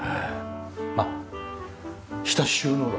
あっ下収納だ。